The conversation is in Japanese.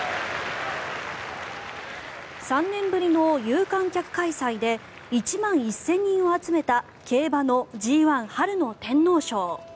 ３年ぶりの有観客開催で１万１０００人を集めた競馬のＧ１春の天皇賞。